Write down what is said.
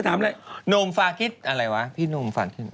ถามอะไรนมฟ้าคิดอะไรวะพี่นมฟ้าคิดอะไร